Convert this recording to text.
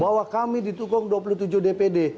bahwa kami ditukung dua puluh tujuh dpd